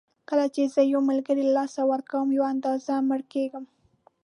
کله چې زه یو ملګری له لاسه ورکوم یوه اندازه مړ کېږم.